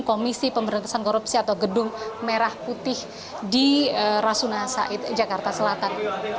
komisi pemberantasan korupsi atau gedung merah putih di rasuna said jakarta selatan